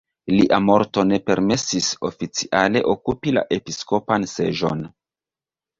Lia morto ne permesis oficiale okupi la episkopan seĝon.